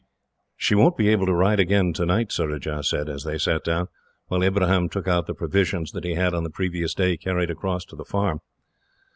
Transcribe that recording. "She won't be able to ride again, tonight," Surajah said, as they sat down, while Ibrahim took out the provisions that he had, on the previous day, carried across to the farm.